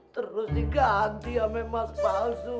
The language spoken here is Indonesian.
terus dikanti sama emas palsu